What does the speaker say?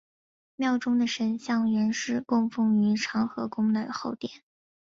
庙中的神像原是供奉于长和宫的后殿。